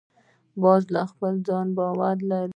باز پر خپل ځان باور لري